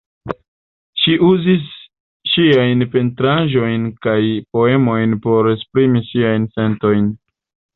Ŝi uzis ŝiajn pentraĵojn kaj poemojn por esprimi siajn sentojn.